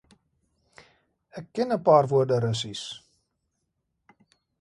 Ek ken ’n paar woorde Russies